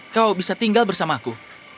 kau bisa tinggal bersamaku